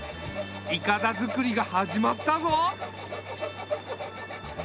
いかだ作りが始まったぞ。